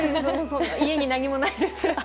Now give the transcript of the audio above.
家に何もないです。